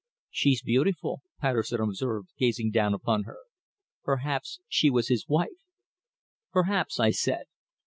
"She's beautiful," Patterson observed, gazing down upon her. "Perhaps she was his wife." "Perhaps," I said.